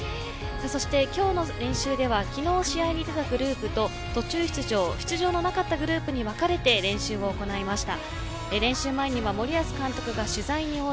そして今日の練習では昨日試合に出たグループと途中出場、出場のなかったグループに分かれて練習を行いました。